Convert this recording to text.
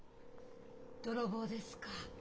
泥棒ですか？